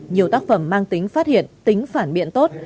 nhiều tác phẩm mang tính phát hiện tính phản biện tốt